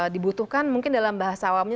dibutuhkan mungkin dalam bahasa awamnya